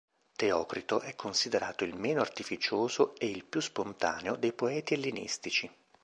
Teocrito è considerato il meno artificioso e il più spontaneo dei poeti ellenistici.